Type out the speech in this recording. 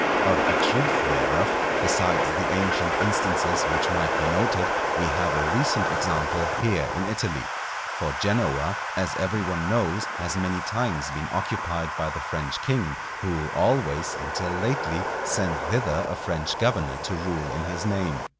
Of the truth whereof, besides the ancient instances which might be noted, we have a recent example here in Italy. For Genoa, as every one knows, has many times been occupied by the French king, who always, until lately, sent thither a French governor to rule in his name.